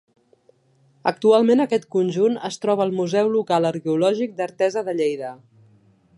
Actualment aquest conjunt es troba al Museu Local Arqueològic d'Artesa de Lleida.